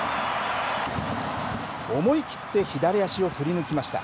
思いきって左足を振り抜きました。